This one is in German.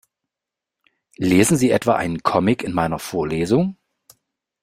Lesen Sie etwa einen Comic in meiner Vorlesung?